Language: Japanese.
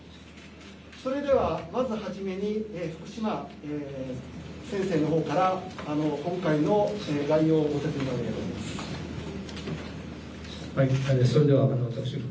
それでは、まず初めに福島先生のほうから今回の概要のご説明を。